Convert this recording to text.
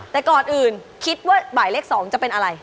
แต่ก่อนอื่นคิดว่าบ่ายเลข๒จะเป็นอะไร